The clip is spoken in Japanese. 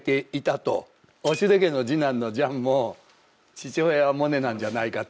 オシュデ家の次男のジャンも父親はモネなんじゃないかと。